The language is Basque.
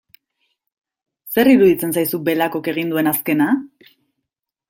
Zer iruditzen zaizu Belakok egin duen azkena?